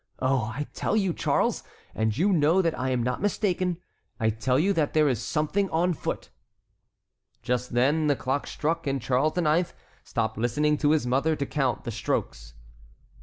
Oh, I tell you, Charles,—and you know that I am not mistaken,—I tell you that there is something on foot." Just then the clock struck and Charles IX. stopped listening to his mother to count the strokes.